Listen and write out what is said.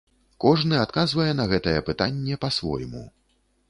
Кожны адказвае на гэтае пытанне па-свойму.